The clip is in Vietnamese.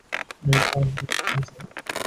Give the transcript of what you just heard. Môi tròn theo dấu phấn son